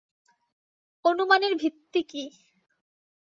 অনুমানের ভিত্তি কি?